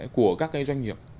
của các cái doanh nghiệp